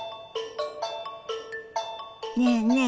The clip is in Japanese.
ねえねえ